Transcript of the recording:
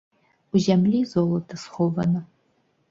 У зямлі золата схована.